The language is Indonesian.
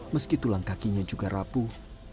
meski tulang kakinya juga rapuh